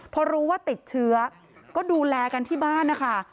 พอรู้ว่าติดเชื้อก็ดูแลกันที่บ้านนะคะ